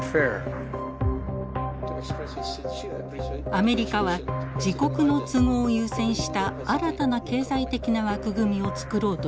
アメリカは自国の都合を優先した新たな経済的な枠組みをつくろうとしています。